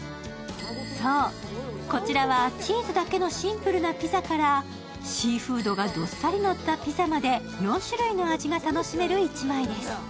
そう、こちらはチーズだけのシンプルなピザからシーフードがどっさりのったピザまで４種類の味が楽しめる１枚です。